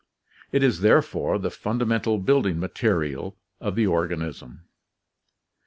It is therefore the fundamental building material of the organism.